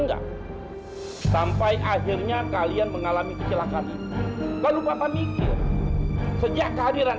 enggak sampai akhirnya kalian mengalami kecelakaan kalau papa mikir sejak kehadiran